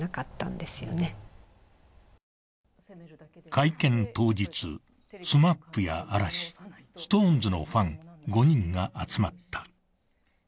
会見当日、ＳＭＡＰや嵐、ＳｉｘＴＯＮＥＳのファン５人が集まった。